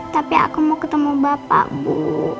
tapi aku mau ketemu bapak bu